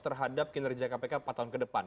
terhadap kinerja kpk empat tahun ke depan